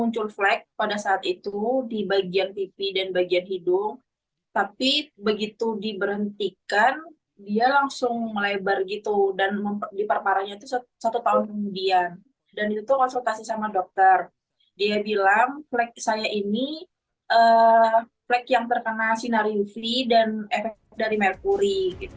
kulit yang terkena sinari uv dan efek dari merkuri